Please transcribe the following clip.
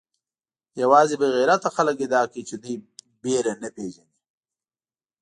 یوازې بې غیرته خلک ادعا کوي چې دوی بېره نه پېژني.